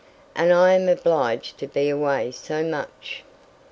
And I am obliged to be away so much."